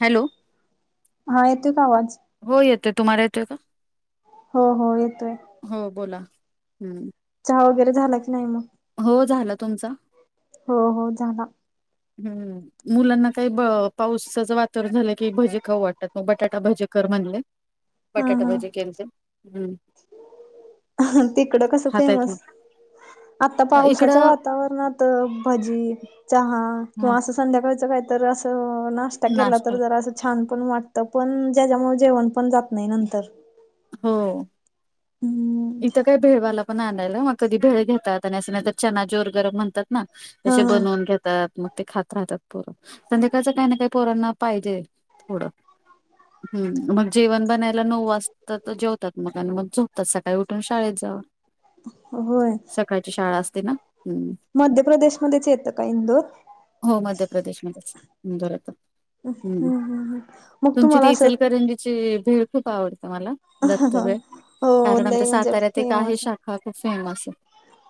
Hello. हा येतोय का आवाज? हो येतोय, तुम्हाला येतोय का? हो हो येतोय. हो बोला, हम्म. चहा वगैरे झाला की नाही मग? हो झाला, तुमचा? हो हो झाला. हम्म, मुलांना काय पावसाचं वातावर झालं की, भजी खाऊ वाटतात. मग बटाटा भजी कर म्हणले, हा बटाटा भजी हा केलतीत. तिकडं कस खातायत फेमस? मग आता पावसाच्या इकडं वात तावरणात भजी, चहा हा किंवा असं संध्याकाळचं काहीतर असं नाश् या केला नाश्ता तर जरा असं छान पण वाटतं, पण ज्याच्यामुळे जेवण पण जात नाही नंतर. हो, हम्म इथं काय भेळ वाला पण आणायला मग कधी भेळ घेतात आणि असं नाही तर चना चोर गरम म्हणतात ना, हा तसे हा बनवून घेतात. मग ते खात राहतात पोरं. संध्याकाळचं काही ना काही पोरांना पाहिजे थोडं. हं मग जेवण बनायला नऊ वाज तात तो जेवतात मग आणि मग झोपतात, सकाळी उठून शाळेत जावा. होय सकाळची शाळा असते ना, हं. मध्य प्रदेशमध्येच येतं का इंदोर? हो मध्य प्रदेश मध्येच इंदोर येतं. [unintelligible] मग तुम्हाला असं ची भेळ खूप आवडते मला दत्त भेळ. हो कारण लय आमच्या म्हणजे साताऱ्यात एक आहे फेमस शा खा खूप फेमस आहे.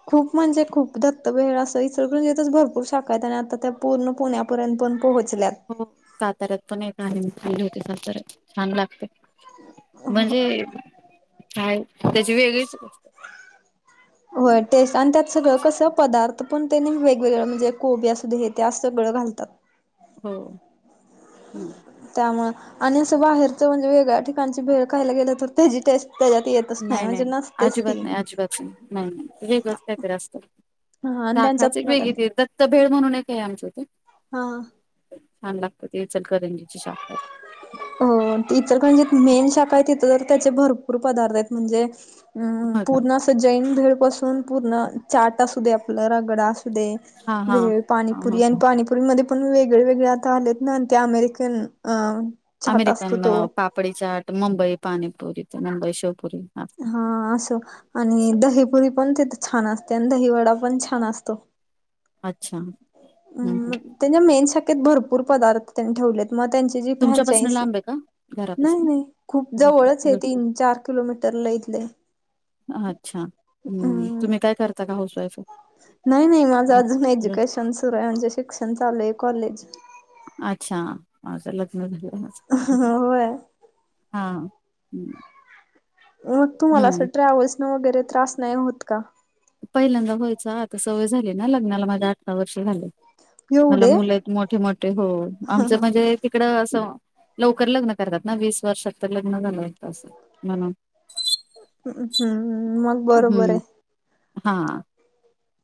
खूप म्हणजे खूप दत्तभेळ अस इचलकरंजीतच भरपूर शाखा आहेत आणि आता त्या पूर्ण पुण्या पर्यंत पण पोहचल्यात. हो साताऱ्यात पण एक आहे मी गेले होते साताऱ्यात, छान लागते. म्हणजे बाहेर त्याची वेगळीच हम्म. होय. तेच आणि त्यात सगळं कसं पदार्थ पण त्यांनी वेगवेगळं म्हणजे कोबी असू दे हे ते असं सगळं घालतात. हो हं. त्यामुळे आणि असं बाहेरच म्हणजे वेगळ्या ठिकाणची भेळ खायला गेलं, तर त्याची टेस्ट त्याच्यात येत नाही नाही अजिबात नाही अजिबात नाही. नाही नाही वेगळच काहीतरी असतं. हा आणि शाखाच त्यांच्यात एक वेगळी ते दत्त भेळ म्हणून एक आहे आमच्या इथं. हां. छान लागते ते इचलकरंजीची शाखा हाय. हो इचलकरंजीत मेन शाखा आहे तिथं तर त्याचे भरपूर पदार्थ आहेत म्हणजे हं हं हो का पूर्ण अस जैन भेळ पासून पूर्ण चाट असू दे, आपलं रगडा असू दे हा हा भेळ, पाणी हा पुरी आणि पाणी पुरी मध्ये पण वेगळे वेगळे आता आलेत ना, ते अमेरिकन अ अमेरिकन पापडी चाट, मुंबई पाणीपुरीचा, मुंबई शेवपुरी हां. हां असं आणि दहीपुरी पण तिथं छान असत्या आणि दही वडा पण छान असतो. अच्छा हम्म म त्यांच्या मेन शाखेत भरपूर पदार्थ त्यांनी ठेवलेत. मग त्यांची जी तुमच्यापासन फ्रेनचाइज लांब आहे का नाही घरापासन? नाही खूप जवळच आहे तीन चार किलोमीटरला इथले. हा अच्छा हम्म अं तुम्ही काय करता का हाऊस वाईफ आहे? नाही नाही माझा अजून एज्युकेशन सुरू आहे म्हणजे शिक्षण चालू आहे कॉलेज. अच्छा माझं लग्न झालेला आहे असं होय हा हा हा हम्म. मग तुम्हाला असं ट्रॅव्हल्स न वगैरे त्रास नाही होत का? पहिल्यांदा होयचा आता सवय झाली ना लग्नाला माझ्या आ ठवा वर्ष झाले मला एवढे मुलं आहेत मोठे मोठे हो आमच म्हणजे तिकडं असं लवकर लग्न करतात ना वीस वर्षात तर लग्न झालं होतं असं म्हणून. हम्म हम्म मग बरोबर आहे हम्म हां.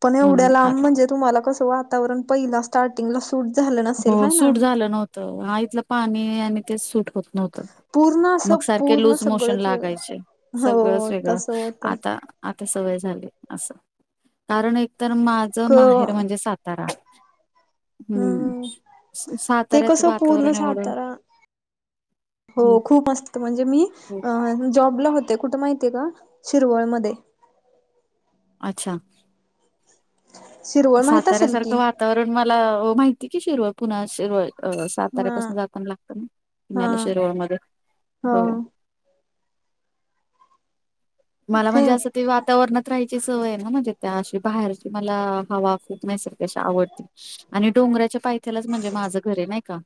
पण एवढ्या लांब म्हणजे तुम्हाला कसं वातावरण पहिला स्टार्टिंगला सूट झालं नसेल हाय ना. तर हा इथलं पाणी आणि ते सुट होत नव्हतं. पूर्ण मग असं सारखे पूर्ण लूज मोशन सगळंच वेगळं लागायचे सगळंच हो वेगळं तसं होतय आता आता सवय झाली असं कारण एकतर क माझं माहेर म्हणजे सातारा. हम्म स- ते साताऱ्यात कसं पूर्ण वातावरण एवढं सातारा हो हम्म, खूप मस्त म्हणजे मी हो. अ जॉबला होते कुठे माहि ते का शिरवळमध्ये. अच्छा शिरवळ माहित असेल साताऱ्यासारखं की वातावरण मला माहिती की शिरवळ पुन्हा शिरवळ अ हा साताऱ्यापासून जाताना लागतं ना हा न्याला शिरवळमध्ये हो. मला म्हणजे असं ते वात तावरणात राहायची सवय आहे ना म्हणजे त्या अशी बाहेरची मला हवा खूप नैसरगिक अशी आवडती. आणि डोंगराच्या पायथ्यालाच म्हणजे माझं घर आहे नाही का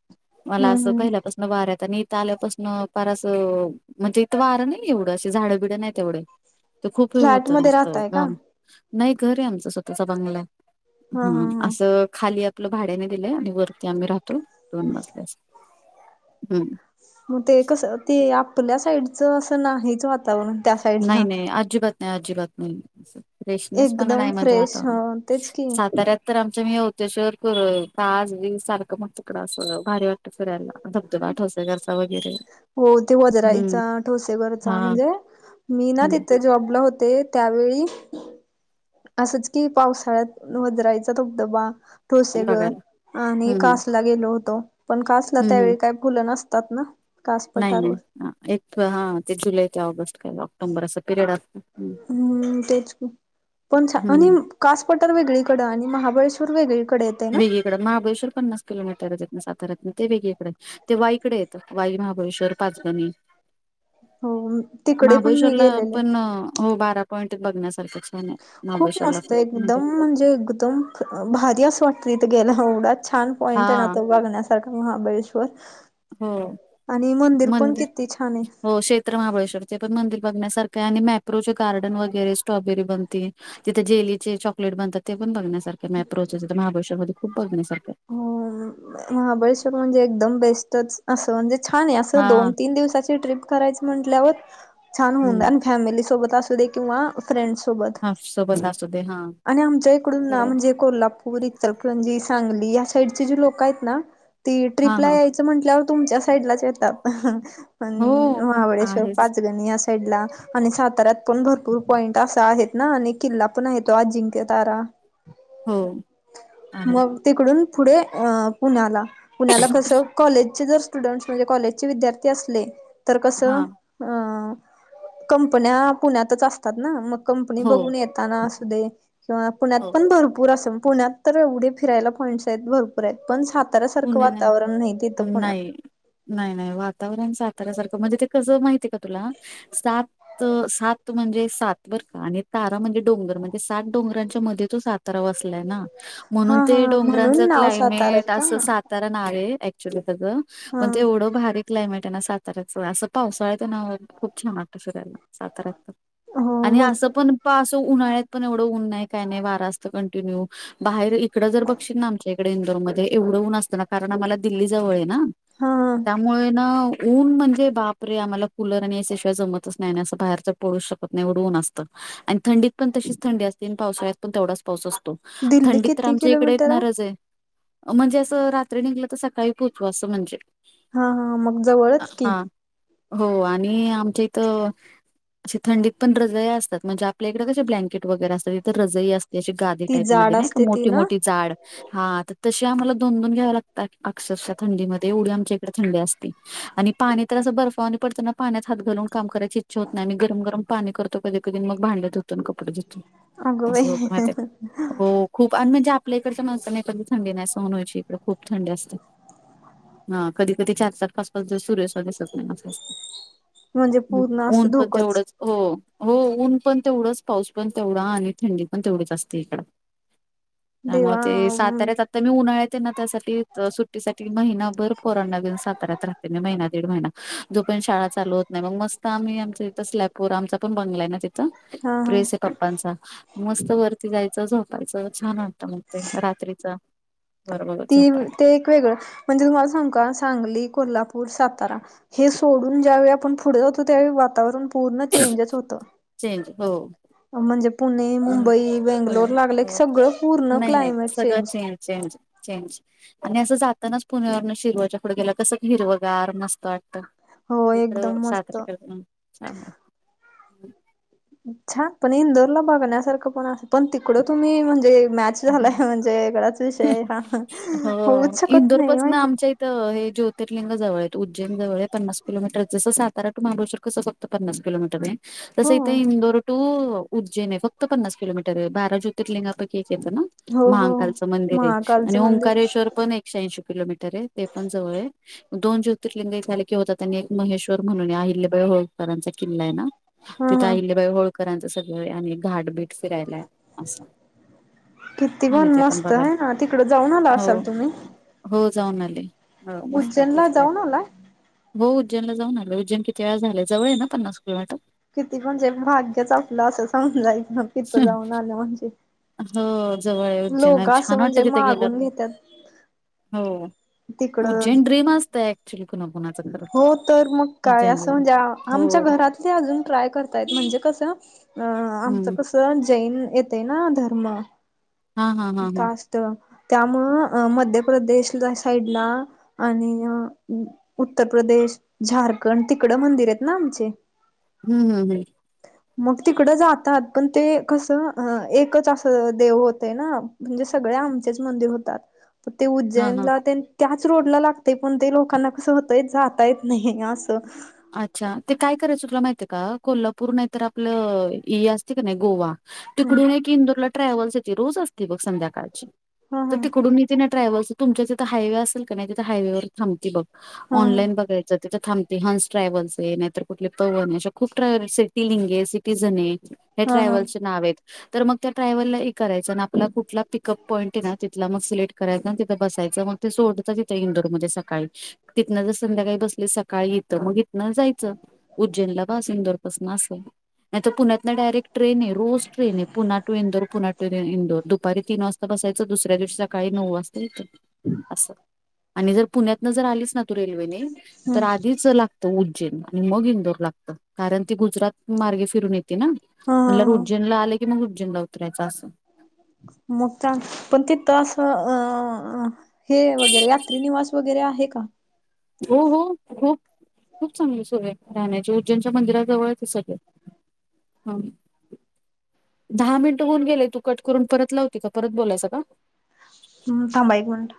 मला हम्म असं हम्म पहिल्यापास न वाऱ्यात आणि इथं आल्यापासून फार असं म्हणजे इथं वारं नाही एवढं असे झाडं बिडं नाही तेवढे [unintelligible] तर ही खूप फ्लॅट होतं मध्ये निसतं राहताय का घाम. नाही घर आहे आमचा स्वतःचा बंगला हा हा हां हा असं खालीय तला भाड्याने दिलंय आणि वरती आम्ही राहतो दोन मजलेस हम्म. म ते कसं ते आपल्या साईडच असं नाही जा नाही नाही आजी बात नाही आजी बात नाही. स फ्रेशनेस पण एकदम नाही म्हणजे फ्रेश आता ह तेच की साताऱ्यात तर आमच मीय होतोय सर करं काजबिंग सारखं मग तकडं अस भारी वाटतं फिरायला धबधबाट ठोसा घरचा वगेर हो ते वजरायचा ठोसेवरचा हा म्हणजे मी ना हम्म तिथे जॉबला होते त्यावेळी असच कि पावसाळ्यात वजरायचा धबधबा ठोसेगर बघायला आणि हम्म हम्म कासला गेलो होतो पण कासला हम्म हम्म त्यावेळी काय खुलं नसतात ना. कास नाही नाही पठारवर हा एक हा ते जुलै का ऑगस्ट काय ऑक्टोंबर असं पिरियड अस हम्म तेच की पण छा हम्म आणिम कास पटार वेगळीकडें आणि महाबळेश्वर वेगळीकडेत. वेगळीकडे महाबळेश्वर पन्नास किलोमीटरज येतनं सातऱ्यातनं ते वेगळीकडें. ते वाईकडे येतं वाई महाबळेश्वर, पाचगणी हो तिकडे पण मी महाबळेश्वरला गेलेले. पण हो बारा पॉइंट बघण्यासारख्याच खूप मस्त आहे एकदम म्हणजे एकदम भारी असं वाटतं इथं गेला एवढाच छान हा पॉईंट आहे ना तो बघण्यास सारखं महाबळेश्वर हो आणि मंदिर पण किती छान आहे. तर महाबळेश्वरचे पण मंदिर बघण्यासारखं आहे आणि मॅप्रोचे गार्डन वगैरे स्ट्रॉबेरी बनती तिथे जेलीचे चॉकलेट बनतात ते पण बघण्यासारखे मॅप्रोचच महाबळेश्वर मध्ये खूप बघण्यासारखं आहे. हो महाबळेश्वर म्हणजे एकदम बेस्टच असं म्हणजे छान आहे असं हा दोन-तीन दिवसाची ट्रिप करायचा म्हटल्यावर छान होऊन देन हम्म आणि फॅमिली सोबत असू दे किंवा फ्रेंड सोबत हा सोबत असू दे हा आणि आमच्या इकडून ना फिरायला म्हणजे कोल्हा पूर इचलकरंजी, सांगली या साईड जे लोक आहेत ना ती हा ट्ररीपला हा याय चा म्हटल्यावर तुमच्या साईडलाच येतात पण हो महाबळेवर आहेच पाचग नी या साईडला. आणि साताऱ्यात पण भरपूर पॉइंट असा आहेत ना आणि किल्ला पण आहे तो अजिंक्य तारा. हो आहे मग तिकडून पुढे अ पुण्याला. पुण्याला कसं कॉलेजचे जर स्टुडंट्स म्हणजे कॉलेजचे विद्यार्थी असले तर हा कसं अ कंपन्या पुण्यातच असतात ना मग कंपनी हो बघून येत ताना असूदे किंवा पुण्यात हो पण भरपूर असं पुण्यात तर एवढे फिरायला पॉइंट्स आहेत भरपूर आहेत पण साताऱ्यासारखं वातावरण नाही तिथं पुण्यात. नाही नाही नाही वातावरण साताऱ्यासारखं म्हणजे ते कसं माहिती आहे का तुला सात सात म्हणजे सात बरं का आणि तारा म्हणजे डोंगर म्हणे ते सात डोंगरांच्या मध्ये तो सातारा बसलाय ना म्हणून हा हा ते डोंगरांच म्हणून नाव सातारा आहे क्लायमेट का अस तारा नाव आहे ऍक्च्युली सगळं हा पण ते एवढं भारी क्लायमेट आहे ना साताऱ्याचं असं पावसळ्यात ना खूप छान वाटतं फिरायला साताऱ्याचा. हो आणि असं भरपूर पण पा असं उन्हाळ्यात पण ऊन नाही काय नाही वारा असतं कंटिन्यू. बाहेर इकडं जर बघशील ना आमच्या इकडे इंदोरमध्ये एवढं ऊन असतं ना कारण आम्हाला दिल्ली जवळ आहे ना हा हा त्यामुळे ना ऊन म्हणजे बाप रे आम्हाला कुलर आणि ए सी शिवाय जमतच नाही असं बाहेरच पडू शकत नाही एवढं ऊन असतं. आणि थंडीत पण तशीच थंडी असते आणि पावसाळ्यात पण तेवढच पाऊस असतो दिल्ली थंडीत तर किती आमच्या इकडे किलोमीटर येतणारज आहे. म्हणजे असं रात्री निघलं तर सकाळी पोहोचु असं म्हणजे हा हा मग अ जवळच की हा. हो आणि आमच्या इथं अशी थंडीत पण राजाय असतात म्हणजे आपल्याकडे ब्लँकेट वगैरे असतं तिथं रजय अस त्याची गादी ती टाईप मध्ये जाड नाही का असते ती मोठी ना मोठी जाड हा त तशी आम्हाला दोन दोन घ्याव लागतात अक्षरशः थंडीमध्ये एवढी आमच्या इकडे थंडी असती आणि पाणी तर असं बर्फानी पडतो ना पाण्यात हात घालून काम कराय ची इच्छा होत नाही आणि गरम गरम पाणी करतो कधी कधी मग भांडे धुतो अन कपडे धुतो. अगं असं होतं माहितीये का बाई हो खूप आणि म्हणजे आपल्या इकडच्या माणसाने कधी थंडी नाही सहन होयची इकडे खूप थंडी असते. हा कधी कधी चार चार, पाच -पाच जर सूर्यशवागेसच नाही असं आहेस. म्हणजे पूर्ण हम्म ऊन असं पण धोकंच तेवढंच हो हो ऊन पण तेवढाच, पाऊस पण तेवढा आणि थंडी पण तेवढीच असते इकडं. [inaudible] त्यामुळे ते सात आता मी उन्हाळ्यात आहे ना त्यासाठी तर सुट्टीसाठी महिनाभर फोरन नवीन सातऱ्या राहत. तिने महिना दीड महिना जो पण शाळा चालु होत नाही मग मस्त आम्ही आमच इथं स्लेयपूर आमचा पण बंगला आहे ना तिथं हा हा प्रिस सेप पप्पांचा मस्त वरती जायचं झोपायचं छान वाटतं मग ते असं रा त्रीचं ती ते एक वेगळं म्हणजे तुम्हाला सांग का सांगली, कोल्हापूर, सातारा हे सोडून ज्यावेळी आपण पुढे जातो त्यावेळी वातावरण पूर्ण चेंजच होतं. चेंज हो. म्हणजे पुणे, मुंबई, पुणे बेंगलोर लागलं की हो सगळं पूर्ण नाही नाही क्लायमेट सगळं चेंज चेंज चेंज आणि असं जातानाच पुण्यावरनं शिरवाच्या पुढे गेल्या कसं क हिरवगार मस्त वाट हो इथं एकदम मस्त इकडं [unintelligible] ना चांगलं. छान पण इंदोरला बघण्यासारखं पण असं पण तिकडं तुम्ही म्हणजे मॅच झाला आहे म्हणजे गडाचा विषय आहे हा होऊच शकत नाही माहिती तर हे ज्योतिर्लिंग जवळ आहेत उज्जैनजवळ पन्नास किलोमीटर जसं सातारा टू महाबळेश्वर कसं फक् त पन्नास किलोमीटर आहे. हो तसं इथे इंदोर टू उज्जैन आहे फक्त पन्नास किलोमीटर आहे बारा ज्योतिर्लिंगापैकी एक चेत ना हो हो महकालचं मंदिर आहे आणि महाकालचं मंदिर ओंकारेश्वर पण एक शेऐंशी किलोमीटर आहे ते पण जवळ आहे. दोन ज्योतर्लिंगई झाले की होतात त्यांनी एक महेश्वर म्हणून आहे अहिल्यबाई होळकरांचा किल्ला आहे ना. हा तिथं हा अहिल्या बाई होळकरांचं सगळं आणि घाट बीट फिरायला आहे असं. किती छान आहे पण ते मस्त आहे बघायला ना तिकडं जाऊन आला हो असाल तुम्ही? हो जाऊन आले. हो मस्त उज्जैन वाटत ला जाऊन फिरायला. आला? हो उज्जनला जाऊन आले उज्जन कितीे वेळा झालय जवळ आहे पन्नास किलोमीटर. किती म्हणजे भाग्यच आपलं असं समजायच ना तिथं जाऊन आलं म्हणजे. हो जवळ आहे उज्जैन आणि लोगा असं छान म्हणजे वाटतं तिथे गेल्यावर मागून न्हेत्यात. हो उज्जन ट्रिप नसतय एक्च्युली कुणाकणाचा खरत हो तर उज्जैनला हो. ते अजून ट्राय करताय म्हणजे कसं अ आमच हम्म. कसं त्यन जैन येते ना धर्म हा हा हा हा कास्ट त्यामुळं अ मध्य प्रदेशला साईडला आणि अ उ उत्तर प्रदेश, झारखंड तिकडं मंदिर आहेत ना आमचे. हम्म हम्म हम्म. मग तिकडं जातात पण ते कसं ह एकच असं देव होतोय ना म्हणजे सगळे आमचेच मंदिर होतात पण ते हा हा. उज्जैनला तेन त्याच रोडला लागते पण ते लोकांना कसं होतय जाता येत नाही असं. अच्छा ते काय करायचं तुला माहित आहे का कोल्हापूर नाहीतर आपलं इ असते का नाही गोवा हम्म तिकडून एक इंदूरला ट्रॅव्हल्स येते रोज असते बघ संध्याकाळची हा तर हा तिकडून इ थे ना ट्रॅव्हल्स आहे तुमच्या तिथं हायवे असेल का नाही तिथं हायवेवर थांबती बघ हा हा ऑनलाईन बघाय तर तिथे थांबते हंस ट्रॅव्हल्स आहे नाहीतर कुठले पवन आहे अशे खूप ट्रॅव सिटी लिंग आहे सिटीझन आहे हे हा हा ट्रॅव्हल चे नाव आहेत तर मग त्या ट्रॅव्हलला हे करायचं ना आपला कुठला पिकअप पॉईंट आहे ना ति थला मग सिलेक्ट करायचं आणि तिथं बसायचं मग ते सोडतं इंडो र मध्ये सकाळी तिथनं जर संध्याकाळी बसले सकाळीे तग मग ना जायचं उज्जैनला पासूनंदरपासून असल. नाही तर पुण्यातना डायरेकट्र आहे रोज ट्रेन आहे पूणा टू इंदोर पुणा टू इंदोर दुपारी तीन वाज ता बसायचं दुसऱ्या दिवशी सकाळी नऊ वाजता येतं असं. आणि जर पुण्यातनं जर आलीच ना तू रेल्वेने हम्म तर आधीच लागतो उज्जैन आणि मग इंदोर लागतं कारण ती गुजरात मार्गे फिरून ये ते ना हा हा म्हणलर हा उज्जैनला आले की मग उज्जैनला उतरायचं असं. मग चांग पण तिथं असं अ हे वगैरे यात्रीनिवास वगैरे आहे का? हो हो खूप खूप चांगली सोय आहे राहण्याचे उज्जैनच्या मंदिराजवळच आहे ते सगळे. हम दहा मिनिट होऊन गेलेय तू कट करून परत लावते का परत बोलायचं का? म थांबा एक मिनिट.